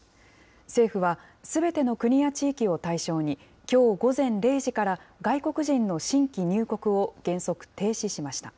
政府は、すべての国や地域を対象に、きょう午前０時から外国人の新規入国を原則停止しました。